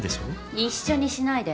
一緒にしないで。